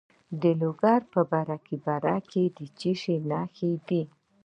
د لوګر په برکي برک کې د څه شي نښې دي؟